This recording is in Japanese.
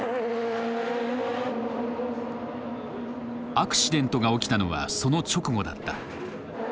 アクシデントが起きたのはその直後だった。